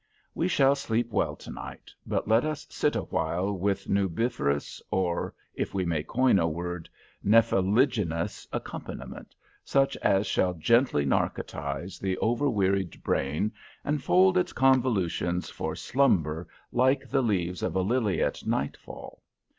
We shall sleep well to night; but let us sit awhile with nubiferous, or, if we may coin a word, nepheligenous accompaniment, such as shall gently narcotize the over wearied brain and fold its convolutions for slumber like the leaves of a lily at nightfall.